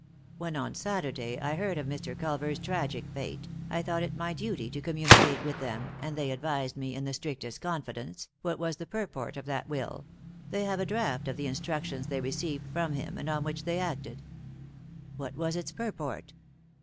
When, on Saturday, I heard of Mr. Culver's tragic fete, I thought it my duty to communicate with them, and they advised me, in the strictest confidence, what was the purport of that will; they have a draft of the instructions they received from him, and on which they acted." " What was its purport